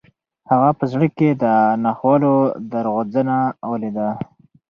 هغه په زړه کې د ناخوالو درغځنه ولیده.